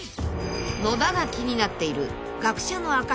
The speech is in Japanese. ［野田が気になっている学者の証のデザイン］